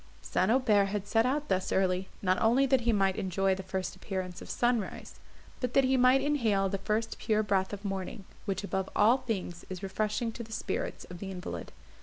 St. Aubert had set out thus early, not only that he might enjoy the first appearance of sunrise, but that he might inhale the first pure breath of morning, which above all things is refreshing to the spirits of the invalid.